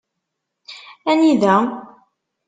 Anida?